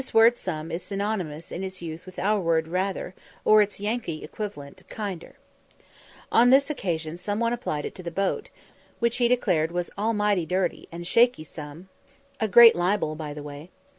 This word some is synonymous in its use with our word rather, or its Yankee equivalent "kinder." On this occasion some one applied it to the boat, which he declared was "almighty dirty, and shaky some" a great libel, by the way.